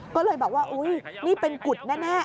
ก็เลยบอกว่าอุ๊ยนี่เป็นกุฎแน่